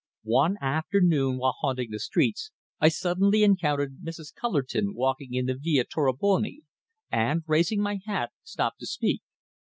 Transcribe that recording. One afternoon, while haunting the streets, I suddenly encountered Mrs. Cullerton walking in the Via Tornabuoni, and, raising my hat, stopped to speak.